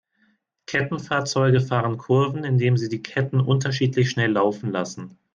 Kettenfahrzeuge fahren Kurven, indem sie die Ketten unterschiedlich schnell laufen lassen.